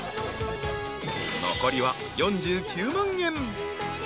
［残りは４９万円］